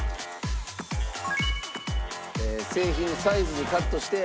「製品のサイズにカットして」